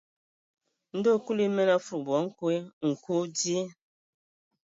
Ndɔ Kulu emen a afudubu a nkwe: nkwe o dzyee.